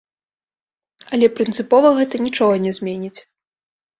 Але прынцыпова гэта нічога не зменіць.